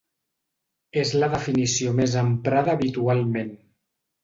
És la definició més emprada habitualment.